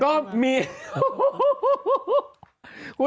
เช็ดแรงไปนี่